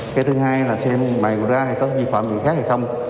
cái thứ hai là xem mài ra có vi phạm gì khác hay không